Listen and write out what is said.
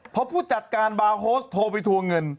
เพราะผู้จัดการบาร์โฮสโทรไปทวงเงิน